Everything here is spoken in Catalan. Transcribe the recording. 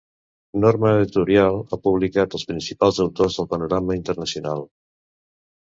Norma Editorial ha publicat els principals autors del panorama internacional.